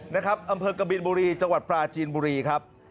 อำเภอกบินบุรีจังหวัดปลาจีนบุรีครับ